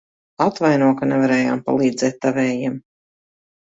Atvaino, ka nevarējām palīdzēt tavējiem.